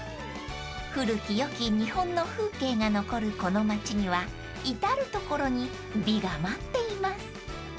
［古きよき日本の風景が残るこの街には至る所に美が待っています］